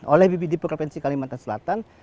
oleh bpd provinsi kalimantan selatan